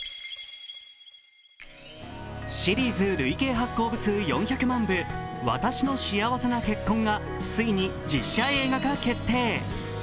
シリーズ累計発行部数４００万部、「わたしの幸せな結婚」がついに実写映画化決定。